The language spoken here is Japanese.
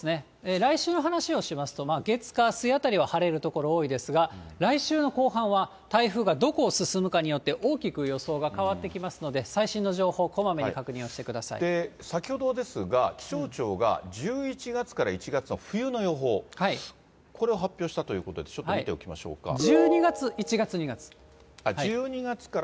来週の話をしますと、月、火、水あたりは晴れる所多いですが、来週の後半は台風がどこを進むかによって大きく予想が変わってきますので、最新の情報、こまめに確先ほどですが、気象庁が１１月から１月の冬の予報、これを発表したということで、１２月、１月、２月。